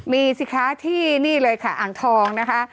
สิทธิคะที่นี่เลยค่ะอังทองนะคะ